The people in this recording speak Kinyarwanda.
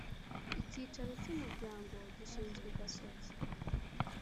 Icyicaro cy umuryango gishyizwe i Gasogi